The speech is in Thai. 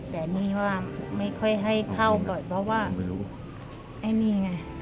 แต่นี่ว่าไม่ค่อยให้เข้าก่อนเพราะว่าไม่รู้ไอ้นี่ไง